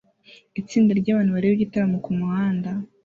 Itsinda ryabantu bareba igitaramo kumuhanda